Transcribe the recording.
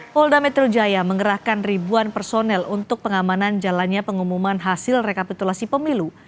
polda metro jaya mengerahkan ribuan personel untuk pengamanan jalannya pengumuman hasil rekapitulasi pemilu